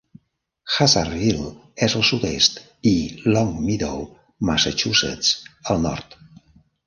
Hazardville és al sud-est, i Longmeadow, Massachusetts, al nord.